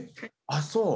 あっそう。